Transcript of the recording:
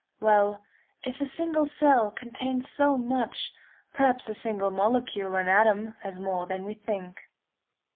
Well, if a single cell contains so much, perhaps a single molecule and atom has more than we think.